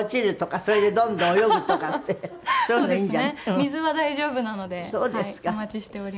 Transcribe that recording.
水は大丈夫なのでお待ちしております。